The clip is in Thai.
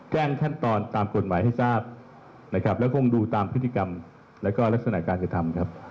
ขั้นตอนตามกฎหมายให้ทราบนะครับแล้วคงดูตามพฤติกรรมแล้วก็ลักษณะการกระทำครับ